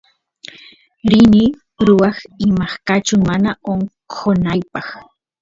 rini ruwaq imaqkachun mana onqonaypaq